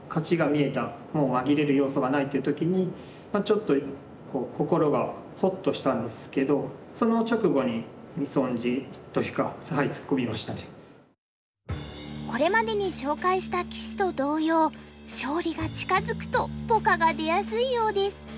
もう紛れる要素がないっていう時にちょっと心がほっとしたんですけどその直後に見損じというかこれまでに紹介した棋士と同様勝利が近づくとポカが出やすいようです。